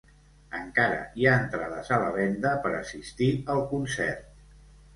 Encara hi ha entrades a la venda per assistir al concert.